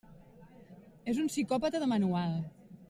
És un psicòpata de manual.